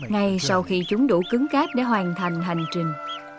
ngay sau khi chúng đủ cứng cáp để hoàn thành hành trình